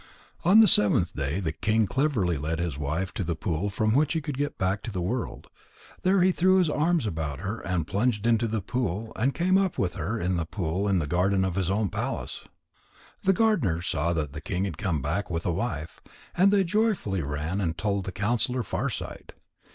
On the seventh day the king cleverly led his wife to the pool from which one could get back to the world. There he threw his arms about her and plunged into the pool, and came up with her in the pool in the garden of his own palace. The gardeners saw that the king had come back with a wife, and they joyfully ran and told the counsellor Farsight.